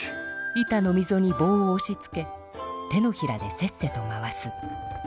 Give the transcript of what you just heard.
板のみぞにぼうをおしつけ手のひらでせっせと回す。